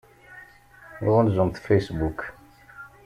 Ɣunzumt Facebook.